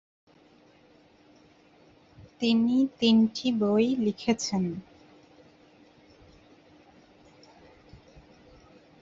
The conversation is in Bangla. তিনি তিনটি বই লিখেছেন।